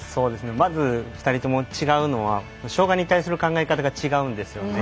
まず２人とも違うのは障がいに対する考え方が違うんです。